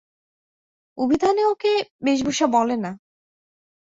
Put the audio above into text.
অভিধানে ওকে বেশভূষা বলে না।